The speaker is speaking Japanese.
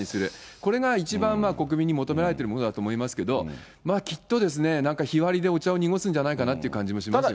これが一番、国民に求められてるものだと思いますけど、きっとですね、日割りでお茶を濁すんじゃないかなという感じもしますね。